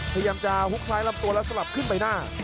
พยายามจะฮุกซ้ายลำตัวแล้วสลับขึ้นใบหน้า